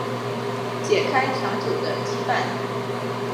解开长久的羁绊